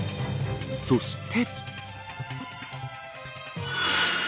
そして。